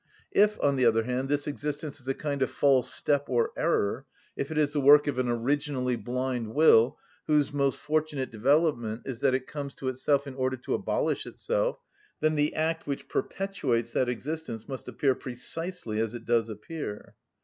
If, on the other hand, this existence is a kind of false step or error; if it is the work of an originally blind will, whose most fortunate development is that it comes to itself in order to abolish itself; then the act which perpetuates that existence must appear precisely as it does appear.